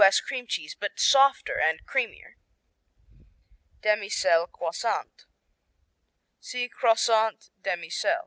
S. cream cheese, but softer and creamier. Demi Sel, Croissant see Croissant Demi Sel.